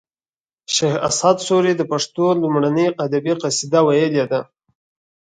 شیخ اسعد سوري د پښتو لومړنۍ ادبي قصیده ویلې ده